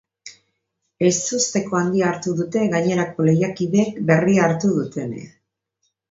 Ezusteko handia hartu dute gainerako lehiakideek berria hartu dutenean.